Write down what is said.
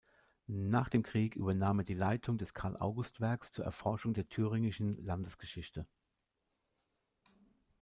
Nach dem Krieg übernahm er die Leitung des Carl-August-Werks zur Erforschung der thüringischen Landesgeschichte.